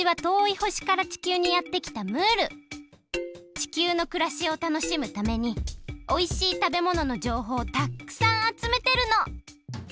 地球のくらしを楽しむためにおいしい食べもののじょうほうをたっくさんあつめてるの！